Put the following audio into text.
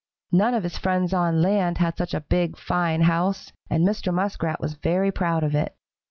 None of his friends on land had such a big, fine house, and Mr. Muskrat was very proud of it.